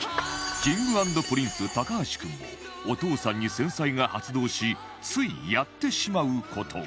Ｋｉｎｇ＆Ｐｒｉｎｃｅ 橋君もお父さんに繊細が発動しついやってしまう事が